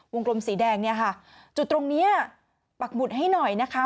กลมสีแดงเนี่ยค่ะจุดตรงเนี้ยปักหมุดให้หน่อยนะคะ